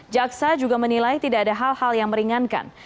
jaksa juga menilai tidak ada hal hal yang meringankan